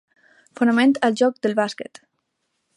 Fonament al joc del bàsquet.